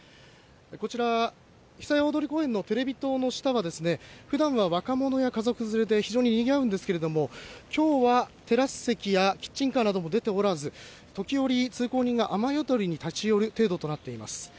こちら、久屋大通公園のテレビ塔の下は、ふだんは若者や家族連れで非常ににぎわうんですけれども、きょうはテラス席やキッチンカーなども出ておらず、時折、通行人が雨宿りに立ち寄る程度となっています。